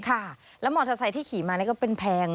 ค่ะแล้วมอเตอร์ไซค์ที่ขี่มานี่ก็เป็นแพง